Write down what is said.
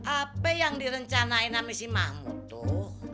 apa yang direncanain sama si mahmud tuh